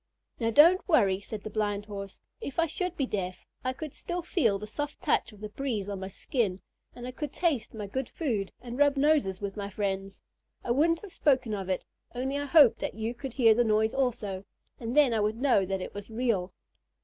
"Now don't worry," said the Blind Horse; "if I should be deaf, I could still feel the soft touch of the breeze on my skin, and could taste my good food, and rub noses with my friends. I wouldn't have spoken of it, only I hoped that you could hear the noise also, and then I would know that it was real."